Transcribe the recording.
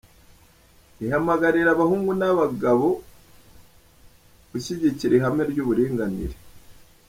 Ihamagarira abahungu n’abagabo gushyigikira ihame ry’uburinganire.